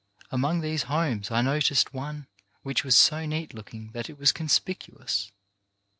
Among these homes I noticed one which was so neat look ing that it was conspicuous.